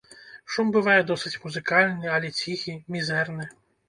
Шум бывае досыць музыкальны, але ціхі, мізэрны.